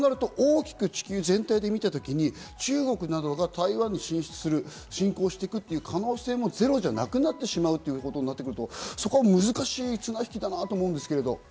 大きく地球全体で見たとき、中国などが台湾に進出する、侵攻していくという可能性もゼロじゃなくなってしまうということになってくると、そこは難しい綱引きだなと思うんですけど。